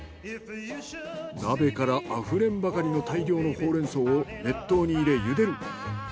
鍋からあふれんばかりの大量のホウレンソウを熱湯に入れ茹でる。